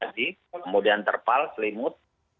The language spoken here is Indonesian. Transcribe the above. kemudian terpal selimut